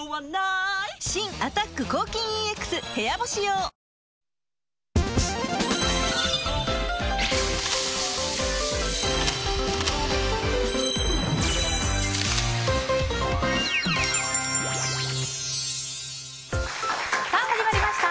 新「アタック抗菌ＥＸ部屋干し用」さあ、始まりました。